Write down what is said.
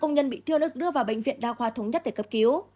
năm công nhân bị thương ức đưa vào bệnh viện đa khoa thống nhất để cấp cứu